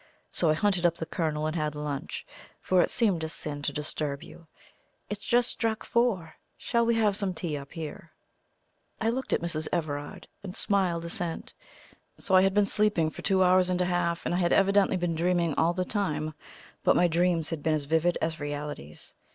So I hunted up the Colonel and had lunch, for it seemed a sin to disturb you. It's just struck four. Shall we have some tea up here?" I looked at Mrs. Everard, and smiled assent. So I had been sleeping for two hours and a half, and I had evidently been dreaming all the time; but my dreams had been as vivid as realities.